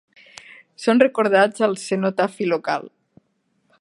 Són recordats al cenotafi local.